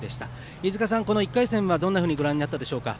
飯塚さん、１回戦はどんなふうにご覧になったでしょうか？